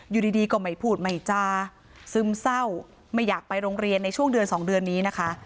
อยู่ดีก็ไม่พูดไม่จาซึมเศร้าไม่อยากไปโรงเรียนในช่วงเดือนสองเดือนนี้นะคะ